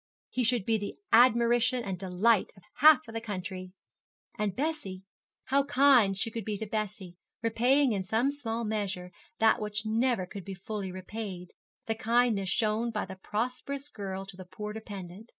He should be the admiration and delight of half the county. And Bessie how kind she could be to Bessie, repaying in some small measure that which never could be fully repaid the kindness shown by the prosperous girl to the poor dependent.